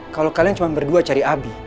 kalau kalian cuma berdua cari abi